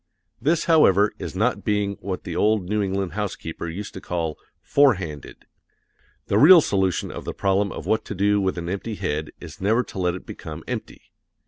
This, however, is not being what the old New England housekeeper used to call "forehanded." The real solution of the problem of what to do with an empty head is never to let it become empty.